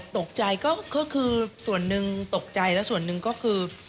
ตกใจก็คือส่วนหนึ่งตกใจแล้วส่วนหนึ่งก็คือ